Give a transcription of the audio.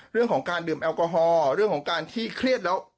เรื่องของการดื่มแอลกอฮอลเรื่องของการที่เครียดแล้ว